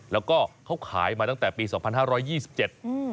แล้วก็เขาขายมาตั้งแต่ปีสองพันห้าร้อยยี่สิบเจ็ดอืม